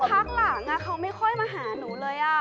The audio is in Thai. พักหลังเขาไม่ค่อยมาหาหนูเลย